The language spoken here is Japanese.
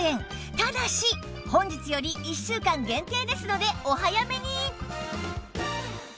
ただし本日より１週間限定ですのでお早めに！